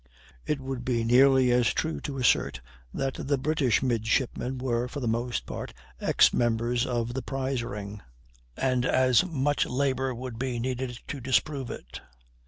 It would be nearly as true to assert that the British midshipmen were for the most part ex members of the prize ring, and as much labor would be needed to disprove it.